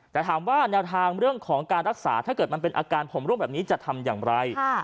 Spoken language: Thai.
แต่ถามว่าแนวทางเรื่องของการรักษาถ้าเกิดมันเป็นอาการผมร่วงแบบนี้จะทำอย่างไร